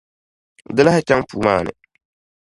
Di lahi chaŋ puu maa ni